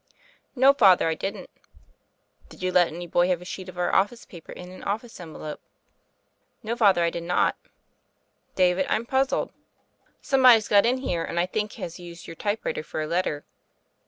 "No, Father; I did not." "Did you let any boy have a sheet of our office paper and an office envelope?" "No, Father; I did not." 'David« I'm puzzled. Somebody's got in <i' 2i..t THE FAIRY OF THE SNOWS here, and, I think, has used your typewriter for a letter."